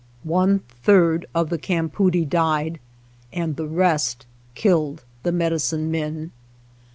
One third of the campoodie died, and the rest killed the medicine men.